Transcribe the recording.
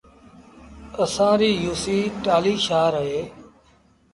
اسآݩ ريٚ يوسي ٽآلهيٚ شآهر اهي